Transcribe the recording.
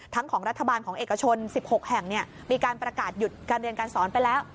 ของรัฐบาลของเอกชน๑๖แห่งมีการประกาศหยุดการเรียนการสอนไปแล้ว